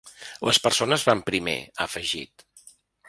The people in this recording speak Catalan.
Les persones van primer, ha afegit.